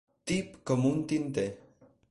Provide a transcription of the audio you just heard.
Tip com un tinter.